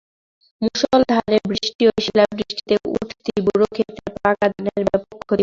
মুষলধারে বৃষ্টি ও শিলাবৃষ্টিতে উঠতি বোরো খেতের পাকা ধানের ব্যাপক ক্ষতি হয়েছে।